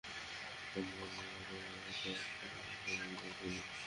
রামায়ণের রাবণের মতই, সে-ও চায় আমি সোনার হরিণের পিছু নিই।